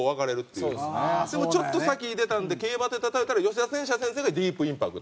でもちょっと先に出たんで競馬で例えたら吉田戦車先生がディープインパクト